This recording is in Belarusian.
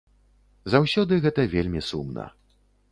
Заўсёды гэта вельмі сумна.